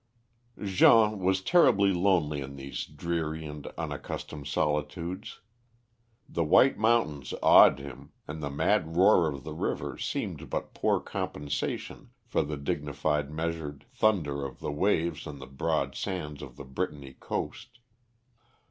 Jean was terribly lonely in these dreary and unaccustomed solitudes. The white mountains awed him, and the mad roar of the river seemed but poor compensation for the dignified measured thunder of the waves on the broad sands of the Brittany coast.